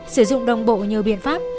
sử dụng đồng bộ nhiều biện pháp